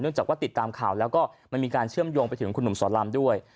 เนื่องจากติดตามข่าวและมีการเชื่อมยวงไปถึงคุณหนุ่มศรรรรมด้วย